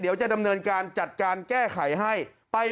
เดี๋ยวจะจัดการแจ้ก่ายให้